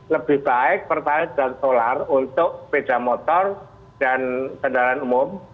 lebih baik pertalite dan solar untuk sepeda motor dan kendaraan umum